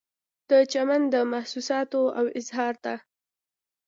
د چمن د محسوساتو و اظهار ته